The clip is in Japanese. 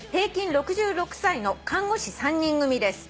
６６歳の看護師３人組です」